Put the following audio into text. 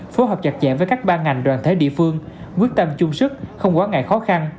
phối hợp chặt chẽ với các ban ngành đoàn thể địa phương quyết tâm chung sức không quá ngại khó khăn